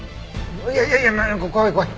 いやいやいや怖い怖い！